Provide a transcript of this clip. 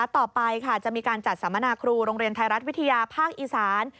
ต่อไปจะมีการจัดสัมมนาครูโรงเรียนไทยรัฐวิทยาภาคอีสาน